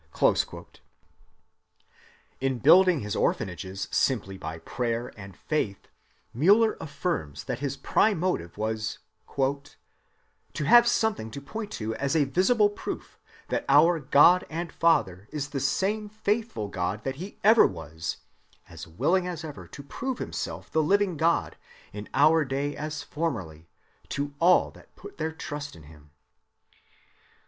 (309) In building his orphanages simply by prayer and faith, Müller affirms that his prime motive was "to have something to point to as a visible proof that our God and Father is the same faithful God that he ever was,—as willing as ever to prove himself the living God, in our day as formerly, to all that put their trust in him."